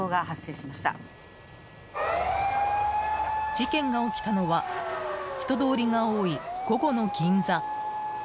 事件が起きたのは人通りが多い午後の銀座。